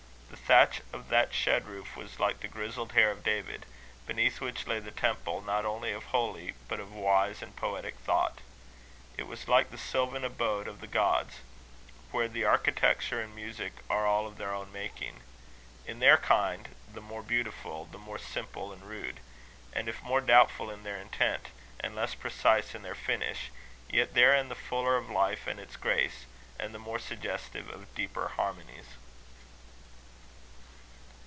The thatch of that shed roof was like the grizzled hair of David, beneath which lay the temple not only of holy but of wise and poetic thought. It was like the sylvan abode of the gods, where the architecture and music are all of their own making, in their kind the more beautiful, the more simple and rude; and if more doubtful in their intent, and less precise in their finish, yet therein the fuller of life and its grace, and the more suggestive of deeper harmonies.